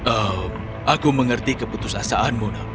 oh aku mengerti keputusasaanmu